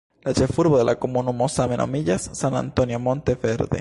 La ĉefurbo de la komunumo same nomiĝas "San Antonio Monte Verde".